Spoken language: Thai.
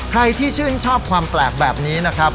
ใครที่ชื่นชอบความแปลกแบบนี้นะครับ